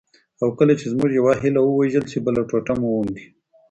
او کله چي زموږ یوه هیله ووژل سي، بله ټوټه مو ومري.